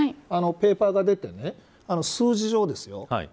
ペーパーが出て数字上ですよ